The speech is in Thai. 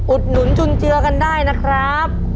อุดหนุนจุนเจือกันได้นะครับ